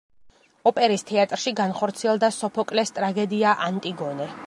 ოპერის თეატრში განხორციელდა სოფოკლეს ტრაგედია „ანტიგონე“.